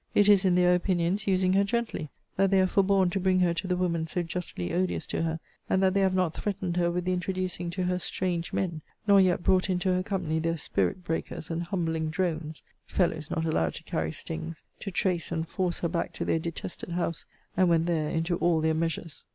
It is, in their opinions, using her gently, that they have forborne to bring her to the woman so justly odious to her: and that they have not threatened her with the introducing to her strange men: nor yet brought into her company their spirit breakers, and humbling drones, (fellows not allowed to carry stings,) to trace and force her back to their detested house; and, when there, into all their measures.